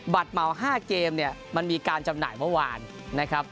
เหมา๕เกมเนี่ยมันมีการจำหน่ายเมื่อวานนะครับ